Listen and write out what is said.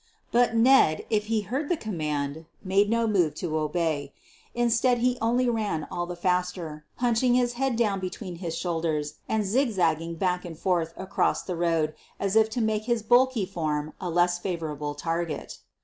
But Ned, if he heard the command, made no move to obey. Instead, he only ran all the faster, hunch ing his head down between his shoulders and zig zagging back and forth across the road as if to make his bulky form a less favorable target.